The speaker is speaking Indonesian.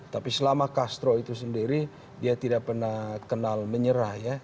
tapi selama castro itu sendiri dia tidak pernah kenal menyerah ya